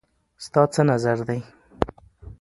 ستا څه نظر دی